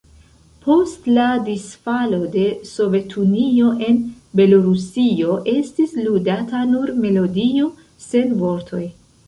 Post la disfalo de Sovetunio en Belorusio estis ludata nur melodio, sen vortoj.